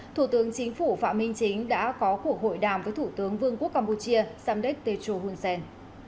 thủ tướng chính phủ phạm minh chính đã có cuộc hội đàm với thủ tướng vương quốc campuchia samdek techo hunsen